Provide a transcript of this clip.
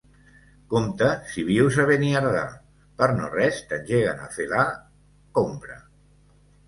Compte si vius a Beniardà, per no-res t'engeguen a fer la... compra.